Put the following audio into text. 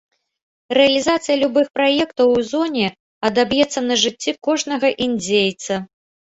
Рэалізацыя любых праектаў у зоне адаб'ецца на жыцці кожнага індзейца.